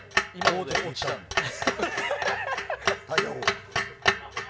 タイヤ王！